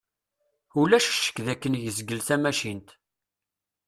Ulac ccekk d akken yezgel tamacint.